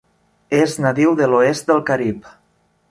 És nadiu de l'oest del Carib.